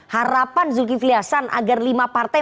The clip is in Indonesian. harapan zulkifli hasan agar lima partai